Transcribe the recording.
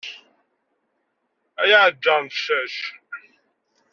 Ay aɛǧar n ccac.